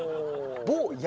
「坊や」？